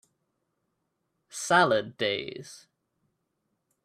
Salad days